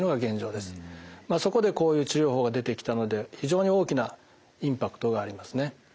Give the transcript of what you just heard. そこでこういう治療法が出てきたので非常に大きなインパクトがありますね。